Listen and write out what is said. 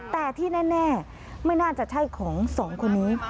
แต่ที่แน่ไม่น่าจะใช่ของสองคนนี้